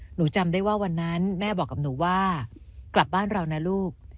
หนูจำได้ว่าวันนั้นแม่บอกกับหนูว่ากลับบ้านเรานะลูก